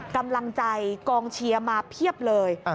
กำลังใจกองเชียร์มาเพียบเลย